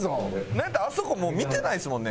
なんやったらあそこもう見てないですもんね